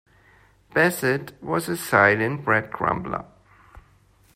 Bassett was a silent bread crumbler.